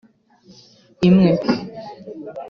imwe